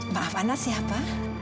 maaf anak siapa